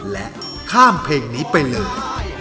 และข้ามเพลงนี้ไปเลย